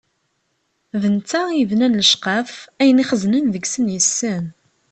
D netta i yebnan lecqaf, ayen ixzen deg-sen yessen.